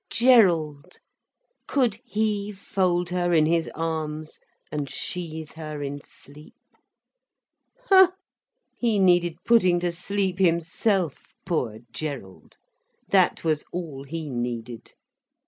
Gerald! Could he fold her in his arms and sheathe her in sleep? Ha! He needed putting to sleep himself—poor Gerald. That was all he needed.